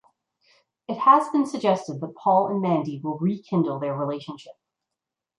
It has been suggested that Paul and Mandy will rekindle their relationship.